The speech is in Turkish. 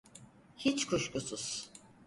Hiç kuşkusuz.